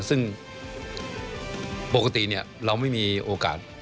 ซึ่งปกติเราไม่มีโอกาส